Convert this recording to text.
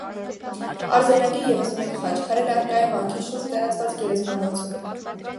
Արձանագիր ևս մեկ խաչքար էլ առկա է վանքի շուրջ տարածված գերեզմանոցում։